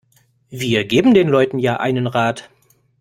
Wir geben den Leuten ja einen Rat.